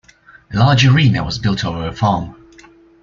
A large arena was built over a farm.